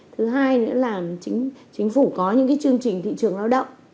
thứ hai nữa là chính phủ có những chương trình thị trường lao động